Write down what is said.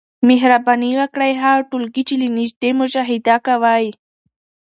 مهرباني وکړئ هغه ټولګي چي له نیژدې مشاهده کوی